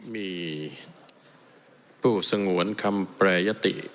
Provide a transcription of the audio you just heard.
มีผู้สงวนคำแปรยติ